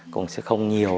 cũng sẽ không nhiều